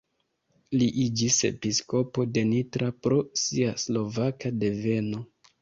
Li iĝis episkopo de Nitra pro sia slovaka deveno.